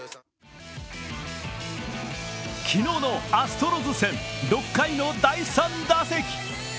昨日のアストロズ戦、６回の第３打席。